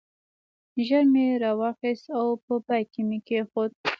ژر مې راواخیست او په بیک کې مې کېښود.